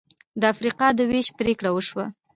د افریقا د وېش پرېکړه وشوه.